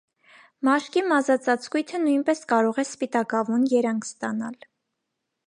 Մաշկի մազածածկույթը նույնպես կարող է սպիտակավուն երանգ ստանալ։